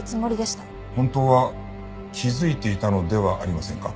本当は気づいていたのではありませんか？